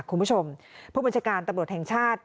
คุณผู้ชมผู้บัญชาการตำรวจแห่งชาติ